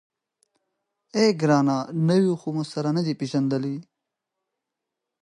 _اه ګرانه! نوي خو مو نه دي سره پېژندلي.